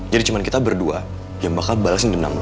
jadi cuma kita berdua yang bakal balesin denam lo